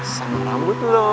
sama rambut lo